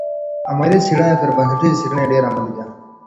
علمي څېړنه تر بنسټیزي څېړني ډېره عملي ده.